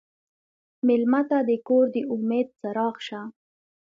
مېلمه ته د کور د امید څراغ شه.